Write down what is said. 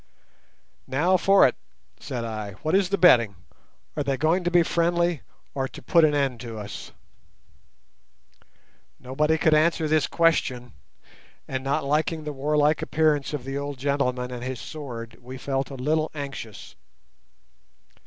"Now for it," said I. "What is the betting? Are they going to be friendly or to put an end to us?" Nobody could answer this question, and, not liking the warlike appearance of the old gentleman and his sword, we felt a little anxious.